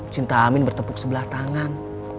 cinta amin bertepuk sebelah tangan